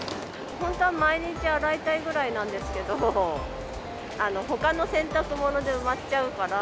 本当は毎日洗いたいぐらいなんですけど、ほかの洗濯物で埋まっちゃうから。